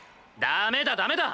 ダメだダメだ！